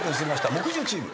木１０チーム。